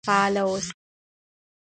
فعال اوسئ.